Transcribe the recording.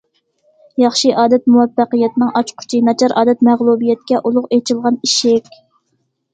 ياخشى ئادەت مۇۋەپپەقىيەتنىڭ ئاچقۇچى، ناچار ئادەت مەغلۇبىيەتكە ئۇلۇغ ئېچىلغان ئىشىك.